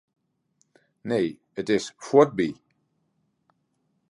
Nee, it is fuortby.